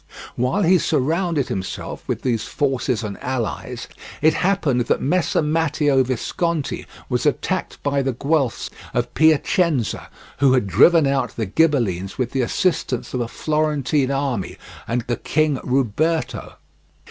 While he surrounded himself with these forces and allies, it happened at Messer Matteo Visconti was attacked by the Guelphs of Piacenza, who had driven out the Ghibellines with the assistance of a Florentine army and the King Ruberto.